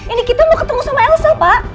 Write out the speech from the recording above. ini kita mau ketemu sama elsa pak